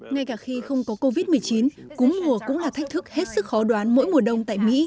ngay cả khi không có covid một mươi chín cúm mùa cũng là thách thức hết sức khó đoán mỗi mùa đông tại mỹ